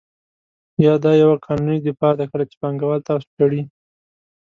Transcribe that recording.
یا دا یوه قانوني دفاع ده کله چې پانګوال تاسو شړي